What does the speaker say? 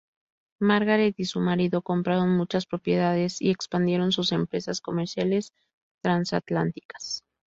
Margaret y su marido compraron muchas propiedades y expandieron sus empresas comerciales transatlánticas.